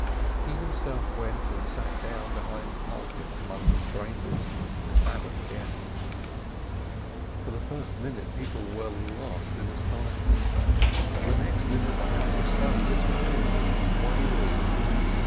He himself went and sat down behind the pulpit among the strangers, the Sabbath guests. For the first minute people were lost in astonishment ; the next minute the house of study was filled with wailing.